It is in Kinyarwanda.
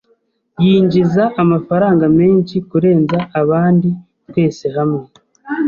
yinjiza amafaranga menshi kurenza abandi twese hamwe.